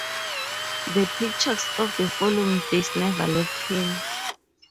The pictures of the following days never left him.